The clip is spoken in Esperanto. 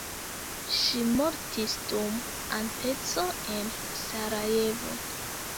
Ŝi mortis dum atenco en Sarajevo.